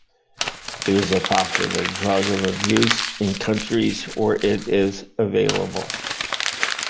It is a popular drug of abuse in countries where it is available.